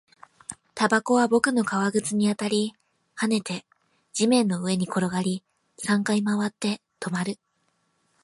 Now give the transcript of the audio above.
タバコは僕の革靴に当たって、跳ねて、地面の上に転がり、三回回って、止まる